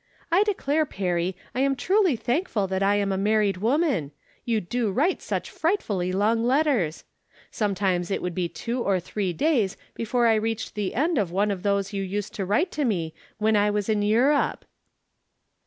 I declare. Perry, I am truly thankful that I am a married woman ; you do write such frightfully long letters ! Sometimes it would be two or three days before I reached the end of one of From Different Standpoints. 235 tliose you used to write to me me when I was in Europe